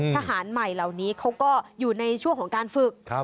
ทหารใหม่เหล่านี้เขาก็อยู่ในช่วงของการฝึก